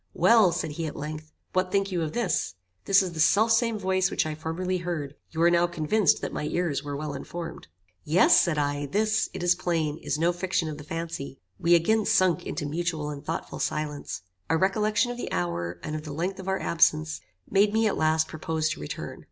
"Well," said he, at length, "What think you of this? This is the self same voice which I formerly heard; you are now convinced that my ears were well informed." "Yes," said I, "this, it is plain, is no fiction of the fancy." We again sunk into mutual and thoughtful silence. A recollection of the hour, and of the length of our absence, made me at last propose to return.